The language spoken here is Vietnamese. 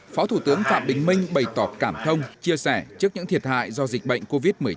phó thủ tướng phạm bình minh bày tỏ cảm thông chia sẻ trước những thiệt hại do dịch bệnh covid một mươi chín